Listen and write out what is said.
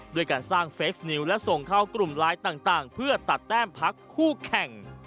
ด้วยการสร้างเฟคนิวและส่งเข้ากลุ่มไลน์ต่างเพื่อตัดแต้มพักคู่แข่ง